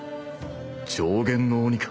上弦の鬼か？